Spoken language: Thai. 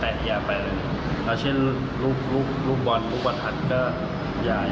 ท่านพิเศษเป็นน้อยก็ได้จริงอย่างที่เหมือนขั้นยังถึงเขาทางเพื่อนเดิมทางอย่างน้อย